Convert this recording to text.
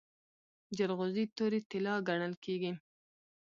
جلغوزي تورې طلا ګڼل کیږي.